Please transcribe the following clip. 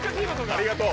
ありがとう。